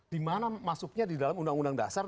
dimana masuknya di dalam undang undang dasar